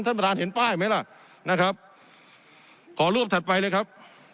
ท่านประธานเห็นป้ายไหมล่ะนะครับขอรวบถัดไปเลยครับ